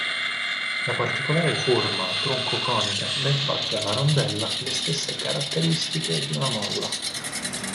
La particolare forma tronco-conica dà infatti alla rondella le stesse caratteristiche di una molla.